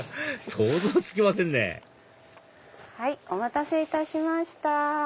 想像つきませんねお待たせいたしました。